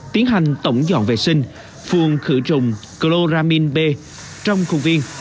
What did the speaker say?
tiến hành tổng dọn vệ sinh phường khử trùng chloramine b trong khu viên